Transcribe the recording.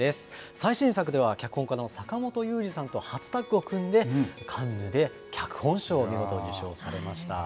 最新作では脚本家の坂元裕二さんと初タッグを組んで、カンヌで脚本賞を見事受賞されました。